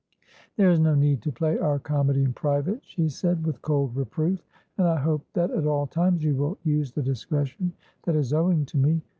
"There is no need to play our comedy in private," she said, with cold reproof. "And I hope that at all times you will use the discretion that is owing to me."